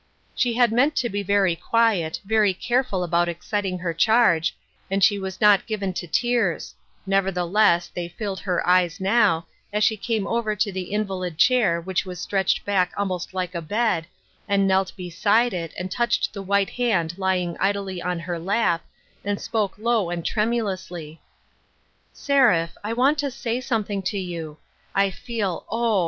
She had meant to be very quiet, very careful about exciting her charge, and she was not given to tears ; nevertheless, they filled her eyes now, as she came over to the invalid chair which was stretched back almost like a bed, and knelt beside it and touched the white hand lying idly on her lap, and spoke low, and tremulously : 244 BELATED WORK. " Seraph, I want to say something to you ; I feel, oh